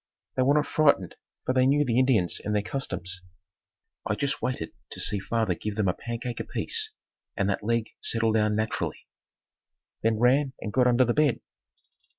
They were not frightened for they knew the Indians and their customs. I just waited to see father give them a pancake apiece and that leg settle down naturally, then ran and got under the bed.